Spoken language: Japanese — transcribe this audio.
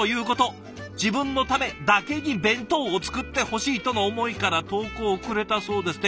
自分のためだけに弁当を作ってほしい！との思いから投稿をくれたそうです。